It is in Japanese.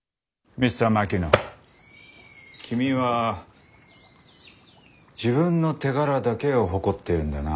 Ｍｒ．Ｍａｋｉｎｏ．君は自分の手柄だけを誇っているんだな。